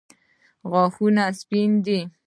غاښونه سپین دي.